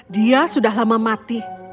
dia sudah lama mati